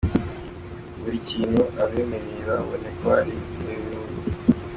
Buri kintu abemereye babone ko ari “nayubu”.